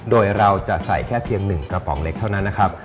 โดยเราจะใส่แค่เพียง๑กระป๋องเล็กเท่านั้นนะครับ